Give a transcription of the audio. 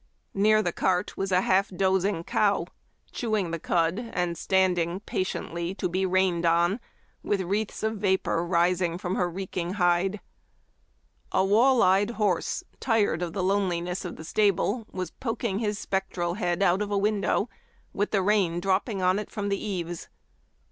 Near the cart was a half dozing cow, chewing the cud and standing 1 1 8 Memoir of Washington Irving. patiently to be rained on, with wreaths of vapor rising from her reeking hide. A wall eyed horse, tired of the loneliness of the stable, was poking his spectral head out of a window, with the rain dropping on it from the eaves.